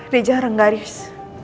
di jarang garis